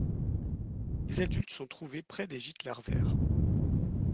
Les adultes sont trouvés près des gîtes larvaires.